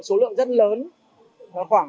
có lượng người đến đông